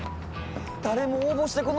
誰も応募してこないよ